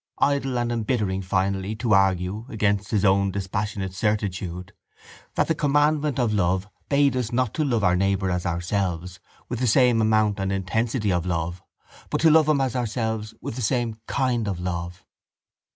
Idle and embittering, finally, to argue, against his own dispassionate certitude, that the commandment of love bade us not to love our neighbour as ourselves with the same amount and intensity of love but to love him as ourselves with the same kind of love.